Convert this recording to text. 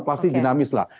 pasti dinamis lah